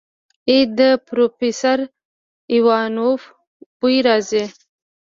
ای د پروفيسر ايوانوف بوئ راځي.